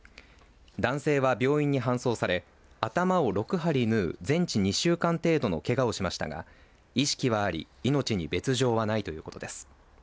男性は病院に搬送され頭を６針縫う全治２週間程度のけがをしましたが意識はあり、命に別条はないということです。